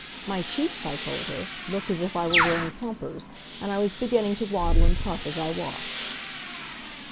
My cheeks, I told her, looked as if I were wearing plumpers, and I was beginning to waddle and puff as I walked.